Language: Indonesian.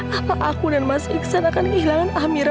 apa aku dan mas iksan akan kehilangan amir